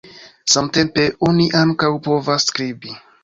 Samtempe oni ankaŭ povas skribi.